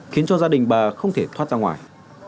khiến cho gia đình bà không thể thoát ra ngoài